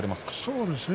そうですね